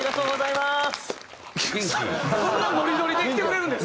そんなノリノリできてくれるんですね。